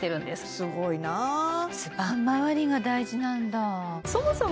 すごいな骨盤まわりが大事なんだそもそも